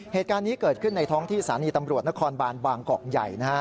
เหตุการณ์นี้เกิดขึ้นในท้องที่สถานีตำรวจนครบานบางกอกใหญ่นะฮะ